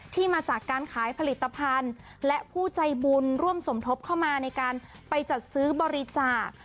มาจากการขายผลิตภัณฑ์และผู้ใจบุญร่วมสมทบเข้ามาในการไปจัดซื้อบริจาค